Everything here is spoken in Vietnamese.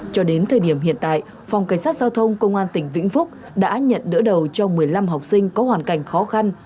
cho đến thời điểm hiện tại phòng cảnh sát giao thông công an tỉnh vĩnh phúc đã nhận đỡ đầu cho một mươi năm học sinh có hoàn cảnh khó khăn